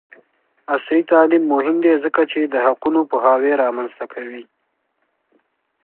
عصري تعلیم مهم دی ځکه چې د حقونو پوهاوی رامنځته کوي.